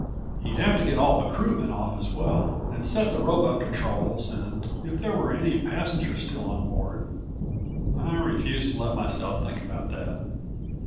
He'd have to get all of the crewmen off as well and set the robot controls and if there were any passengers still on board I refused to let myself think about that.